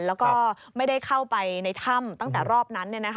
แล้วก็ไม่ได้เข้าไปในถ้ำตั้งแต่รอบนั้น